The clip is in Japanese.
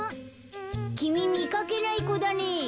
きみみかけないこだね。